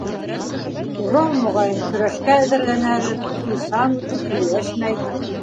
Урал, моғайын, көрәшкә әҙерләнәлер: уйсан, күп һөйләшмәй.